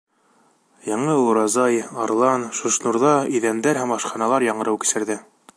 Яңы Уразай, Арлан, Шушнурҙа иҙәндәр һәм ашханалар яңырыу кисерҙе.